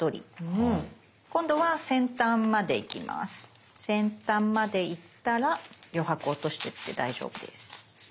先端まで行ったら余白落としてって大丈夫です。